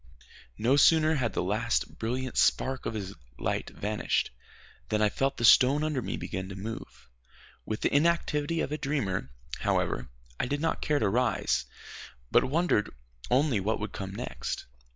No sooner had the last brilliant spark of his light vanished, than I felt the stone under me begin to move. With the inactivity of a dreamer, however, I did not care to rise, but wondered only what would come next.